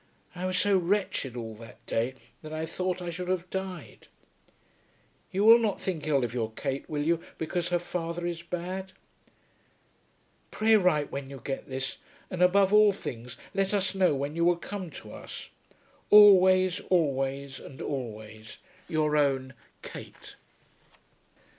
I was so wretched all that day, that I thought I should have died. You will not think ill of your Kate, will you, because her father is bad? Pray write when you get this, and above all things let us know when you will come to us. Always, always, and always, Your own KATE.